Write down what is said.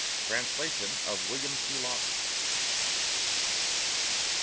Translation of W. C. Lawton.